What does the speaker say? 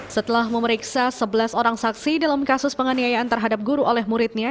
setelah memeriksa sebelas orang saksi dalam kasus penganiayaan terhadap guru oleh muridnya